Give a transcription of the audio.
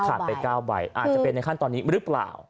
ไป๙ใบอาจจะเป็นในขั้นตอนนี้หรือเปล่า